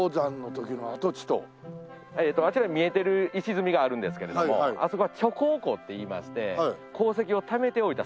あちらに見えてる石積みがあるんですけれどもあそこは貯鉱庫っていいまして鉱石をためておいた倉庫です。